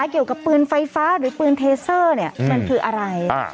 เกี่ยวกับปืนไฟฟ้าหรือปืนเทเซอร์เนี่ยมันคืออะไร